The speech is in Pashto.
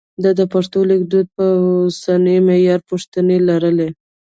ده د پښتو لیکدود پر اوسني معیار پوښتنې لرلې.